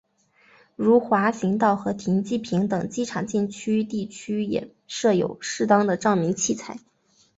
如滑行道和停机坪等机场禁区地区也设有适当的照明器材。